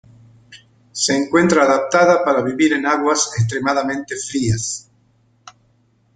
Se encuentra adaptada para vivir en aguas extremadamente frías.